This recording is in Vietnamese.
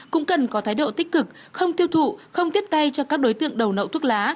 cũng cần có thái độ tích cực không tiêu thụ không tiếp tay cho các đối tượng đầu nậu thuốc lá